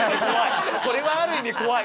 それはある意味怖い！